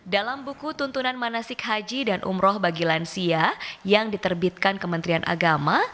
dalam buku tuntunan manasik haji dan umroh bagi lansia yang diterbitkan kementerian agama